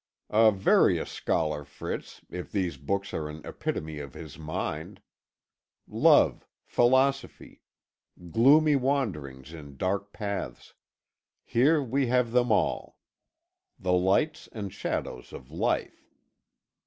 "A various scholar, Fritz, if these books are an epitome of his mind. Love, philosophy, gloomy wanderings in dark paths here we have them all. The lights and shadows of life.